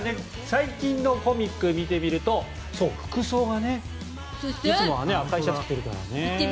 最近のコミックを見てみると服装がね、いつもは赤いシャツを着ているからね。